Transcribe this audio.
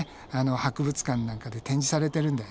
博物館なんかで展示されてるんだよね。